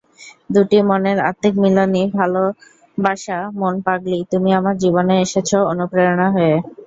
দুটি মনের আত্মিক মিলনই ভালোবাসামন পাগলি তুমি আমার জীবনে এসেছ অনুপ্রেরণা হয়ে।